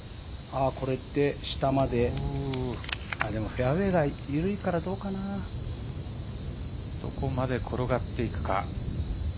これで下まででもフェアウェイが緩いからどこまで転がっていくか。